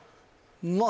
まあ